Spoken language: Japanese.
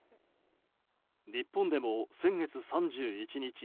日本でも先月３１日